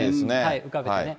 浮かべてね。